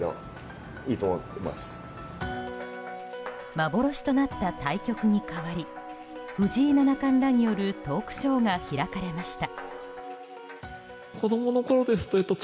幻となった対局に代わり藤井七冠らによるトークショーが開かれました。